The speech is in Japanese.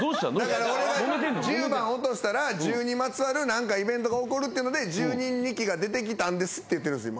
だから俺が１０番落としたら１０にまつわる何かイベントが起こるってので１０人ニキが出てきたんですって言ってるんですよ